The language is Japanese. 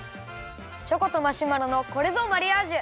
チョコとマシュマロのこれぞマリアージュ！